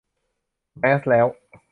แมสแล้ว